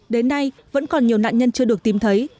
đến nay vẫn còn nhiều nạn nhân chưa được tìm thấy